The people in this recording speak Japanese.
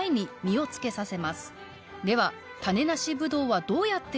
では。